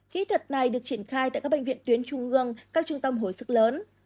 kỹ thuật này được triển khai tại các bệnh viện tuyến trung ương các trung tâm hồi sức lớn